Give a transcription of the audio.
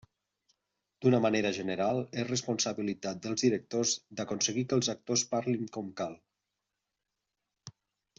D'una manera general és responsabilitat dels directors d'aconseguir que els actors parlin com cal.